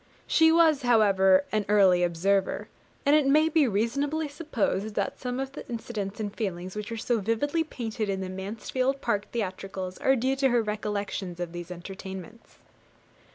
She was, however, an early observer, and it may be reasonably supposed that some of the incidents and feelings which are so vividly painted in the Mansfield Park theatricals are due to her recollections of these entertainments.